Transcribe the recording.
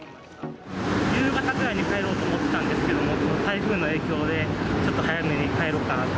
夕方ぐらいに帰ろうと思ってたんですけど、台風の影響で、ちょっと早めに帰ろうかなと。